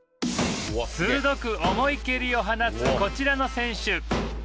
鋭く重い蹴りを放つこちらの選手